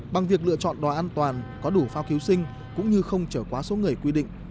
bằng việc lựa chọn đồ an toàn có đủ phao cứu sinh cũng như không trở quá số người quy định